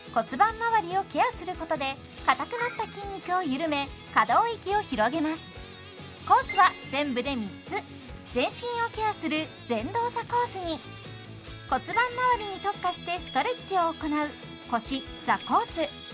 まわりをケアすることでかたくなった筋肉を緩め可動域を広げますコースは全部で３つ全身をケアする全動作コースに骨盤まわりに特化してストレッチを行う腰・座コース